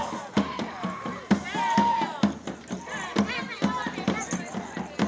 hari berikutnya menipuara kopernik dan tulisannya